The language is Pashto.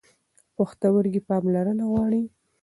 پښتورګي پاملرنه غواړي.